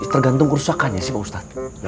tergantung kerusakannya pak ustadz